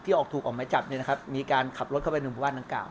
ที่ออกถูกออกหมายจับเนี่ยนะครับมีการขับรถเข้าไปในหมู่บ้านทั้งเก่า